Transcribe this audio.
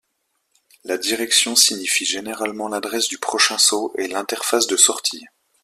La “direction” signifie généralement l’adresse du prochain saut et l’interface de sortie.